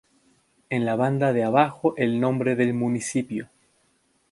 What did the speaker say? En la banda de abajo el nombre del municipio.